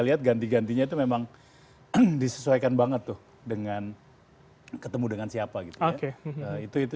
lihat ganti gantinya itu memang disesuaikan banget tuh dengan ketemu dengan siapa gitu ya itu itu